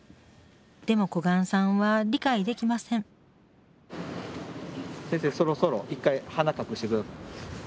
でも小雁さんは理解できません先生そろそろ一回鼻隠して下さい。